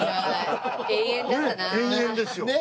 ねえ永遠ですよ。